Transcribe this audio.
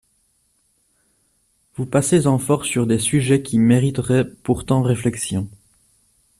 Vous passez en force sur des sujets qui mériteraient pourtant réflexion.